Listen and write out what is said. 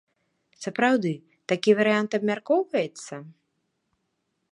Сапраўды такі варыянт абмяркоўваецца?